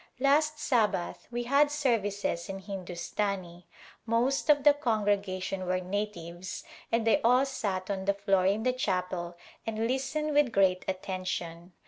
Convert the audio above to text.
Last Sabbath we had services in Hindustani ; most of the congregation were natives and they all sat on the floor in the chapel and listened with great atten tion.